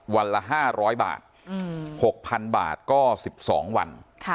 วันละ๕๐๐บาท๖๐๐๐บาทก็๑๒วัน